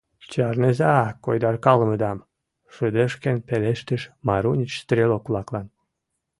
— Чарныза койдаркалымыдам! — шыдешкен пелештыш Марунич стрелок-влаклан.